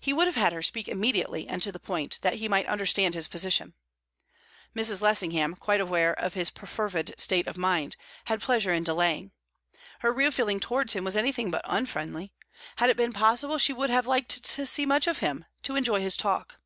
He would have had her speak immediately and to the point, that he might understand his position. Mrs. Lessingham, quite aware of his perfervid state of mind, had pleasure in delaying. Her real feeling towards him was anything but unfriendly; had it been possible, she would have liked to see much of him, to enjoy his talk.